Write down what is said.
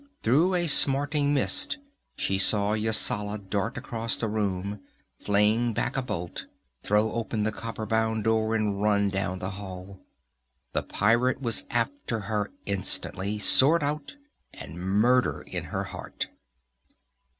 Through a smarting mist she saw Yasala dart across the room, fling back a bolt, throw open the copper bound door and run down the hall. The pirate was after her instantly, sword out and murder in her heart.